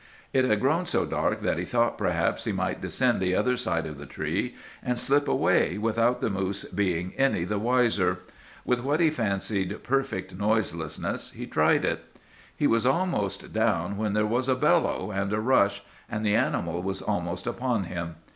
"It had grown so dark that he thought perhaps he might descend the other side of the tree, and slip away without the moose being any the wiser. With what he fancied perfect noiselessness, he tried it. "He was almost down, when there was a bellow and a rush, and the animal was almost upon him.